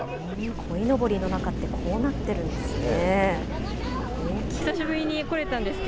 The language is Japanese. こいのぼりの中ってこうなってるんですね。